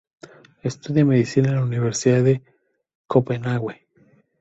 Estudia medicina en la Universidad de Copenhague.